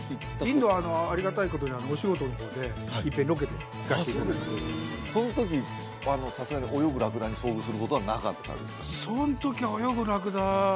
インドはありがたいことにお仕事の方でいっぺんロケで行かせていただいてその時さすがに泳ぐラクダに遭遇することはなかったですか？